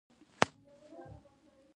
آیا دوی هلته کار او زده کړه نه کوي؟